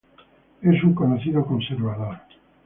Es un conocido conservador.